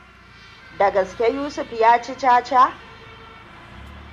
Da gaske Yusuf yaci caca?